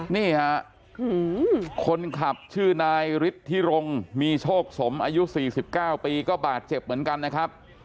นี่ฮะคนขับชื่อนายฤทธิรงมีโชคสมอายุ๔๙ปีก็บาดเจ็บเหมือนกันนะครับ